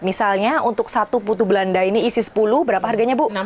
misalnya untuk satu putu belanda ini isi sepuluh berapa harganya bu